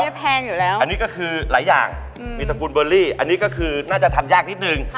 นี่แพงอยู่แล้วอันนี้ก็คือหลายอย่างมีตระกูลเบอร์รี่อันนี้ก็คือน่าจะทำยากนิดนึง